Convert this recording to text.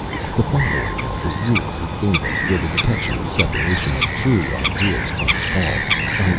The following are the rules he gave us for the detection and separation of true ideas from false, (_i.